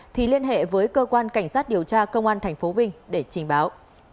thì liên hệ với cơ quan cảnh sát điều tra công an tp vinh để trình báo